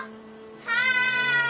・はい！